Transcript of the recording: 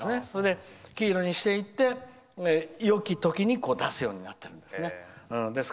それで、黄色にしていってよき時に出すようになってるんです。